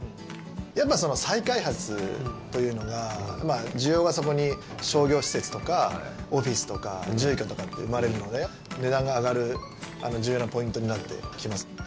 やっぱり再開発というのが需要がそこに商業施設とかオフィスとか住居とかって生まれるので値段が上がる重要なポイントになってきます。